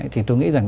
thì tôi nghĩ rằng